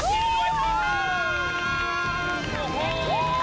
ยินดีด้วยครับ